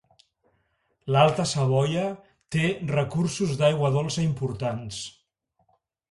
L'Alta Savoia té recursos d'aigua dolça importants.